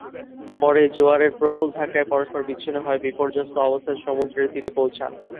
পরে জোয়ারের প্রবল ধাক্কায় পরস্পর বিচ্ছিন্ন হয়ে বিপর্যস্ত অবস্থায় সমুদ্রের তীরে পৌঁছান।